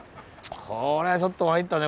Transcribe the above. これはちょっと参ったね